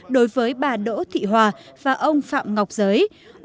đối với bà đỗ thị hòa và ông phạm ngọc giới